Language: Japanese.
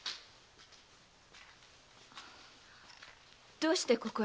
どうしてここへ？